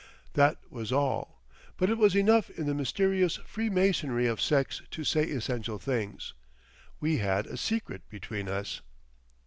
That was all. But it was enough in the mysterious free masonry of sex to say essential things. We had a secret between us.